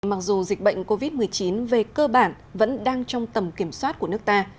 mặc dù dịch bệnh covid một mươi chín về cơ bản vẫn đang trong tầm kiểm soát của nước ta